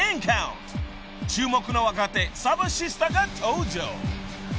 ［注目の若手サバシスターが登場］